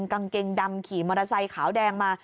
กางเกงดำขี่มอเตอร์ไซค์ขาวแดงมา